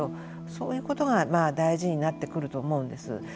そういうことが大事になってくると思うんです。